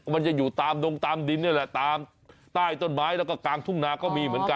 มันจะอยู่ตามดงตามดินนี่แหละตามใต้ต้นไม้แล้วก็กลางทุ่งนาก็มีเหมือนกัน